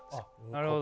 なるほど。